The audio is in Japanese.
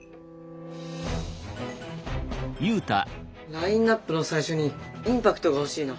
ラインナップの最初にインパクトが欲しいな。